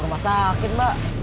rumah sakit mbak